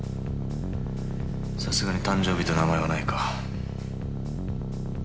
さすがに誕生日と名前はないか。